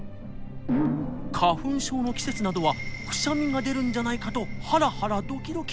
花粉症の季節などはくしゃみが出るんじゃないかとハラハラドキドキ！